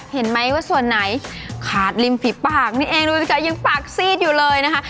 เห็นไหมว่าส่วนไหนขาดริมฝีปากนี่เองดูสิพี่แจ๊ยังปากซีดอยู่เลยนะคะ